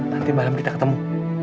nanti malem kita ketemu